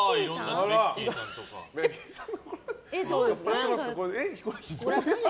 ベッキーさんだ。